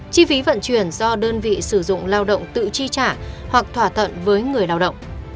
chi phí vận chuyển do đơn vị sử dụng lao động tự chi trả hoặc thỏa thuận với người lao động